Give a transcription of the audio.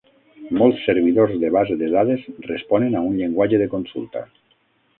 Molts servidors de base de dades responen a un llenguatge de consulta.